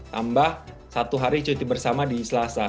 tambah satu hari cuti bersama di selasa